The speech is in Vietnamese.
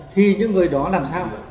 thì những người đó làm sao